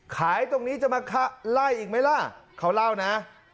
ขายตรงนี้จะมาไล่อีกไหมล่ะเขาเล่านะ